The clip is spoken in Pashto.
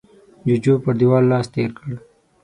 جوجو پر دېوال لاس تېر کړ.